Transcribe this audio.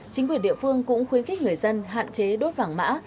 chính quyền địa phương cũng khuyến khích người dân hạn chế đốt vàng mã